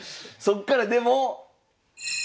そっからでも。